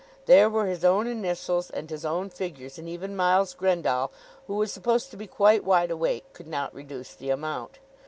There were his own initials and his own figures, and even Miles Grendall, who was supposed to be quite wide awake, could not reduce the amount.